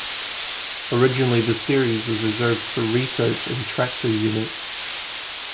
Originally the series was reserved for Research and Tractor units.